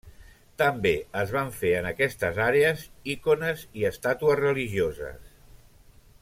També es van fer en aquestes àrees icones i estàtues religioses.